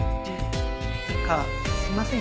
なんかすいません